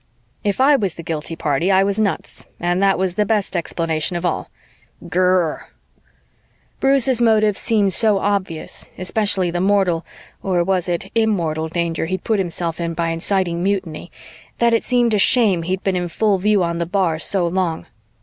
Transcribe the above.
If I was the guilty party, I was nuts and that was the best explanation of all. Gr r r! Bruce's motives seemed so obvious, especially the mortal (or was it immortal?) danger he'd put himself in by inciting mutiny, that it seemed a shame he'd been in full view on the bar so long.